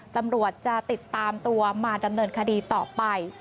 ตำรวจจะติดตามตัวมาดำเนินคดีต่อไป